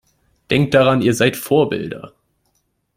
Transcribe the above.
Denkt daran, ihr seid Vorbilder!